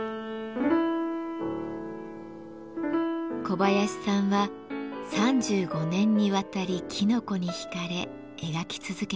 小林さんは３５年にわたりきのこに惹かれ描き続けてきました。